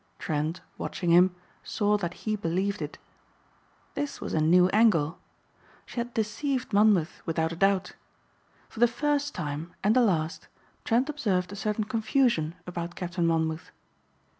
Trent, watching him, saw that he believed it. This was a new angle. She had deceived Monmouth without a doubt. For the first time, and the last, Trent observed a certain confusion about Captain Monmouth.